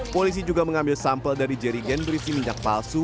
polisi juga mengambil sampel dari jerigen berisi minyak palsu